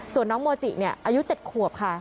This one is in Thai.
ส่วนน้องโมจิอายุ๗ขวบค่ะ